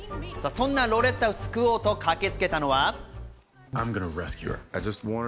そんなロレッタを救おうと駆けつけたのは。